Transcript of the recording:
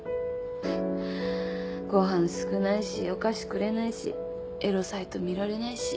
ご飯少ないしお菓子くれないしエロサイト見られないし。